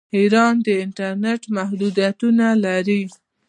ایران د انټرنیټ محدودیتونه لري.